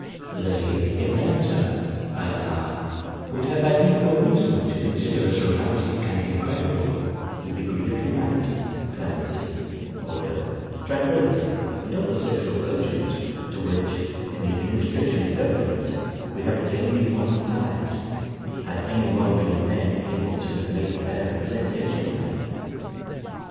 They, in their turn, I allow, would have had equal reason to consider as romantic and incredible, the degree of humanity, clemency, order, tranquillity, and other social virtues, to which, in the administration of government, we have attained in modern times, had any one been then able to have made a fair representation of them.